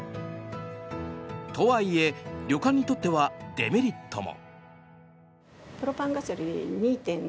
とはいえ旅館にとってはデメリットも。